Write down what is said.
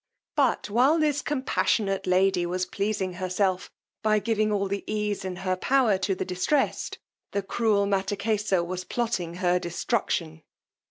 But while this compassionate lady was pleasing herself, by giving all the ease in her power to the distressed, the cruel Mattakesa was plotting her destruction.